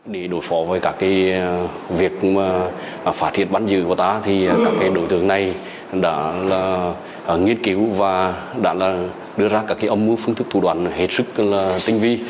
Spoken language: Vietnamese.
để đối phó với việc phá thiệt bắn dưới của ta các đối tượng này đã nghiên cứu và đưa ra các âm mưu phương thức thủ đoàn hết sức tinh vi